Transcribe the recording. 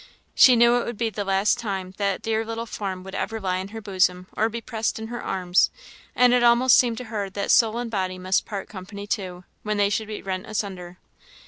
She knew it would be the very last time that dear little form would ever lie on her bosom, or be pressed in her arms; and it almost seemed to her that soul and body must part company too, when they should be rent asunder.